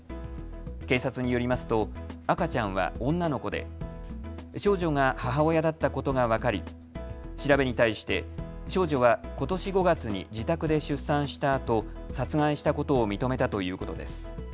警察によりますと赤ちゃんは女の子で少女が母親だったことが分かり調べに対して少女はことし５月に自宅で出産したあと殺害したことを認めたということです。